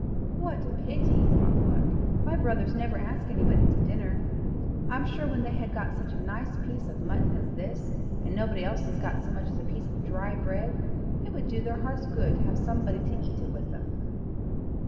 "What a pity," thought Gluck, "my brothers never ask anybody to dinner. I'm sure, when they've got such a nice piece of mutton as this, and nobody else has got so much as a piece of dry bread, it would do their hearts good to have somebody to eat it with them."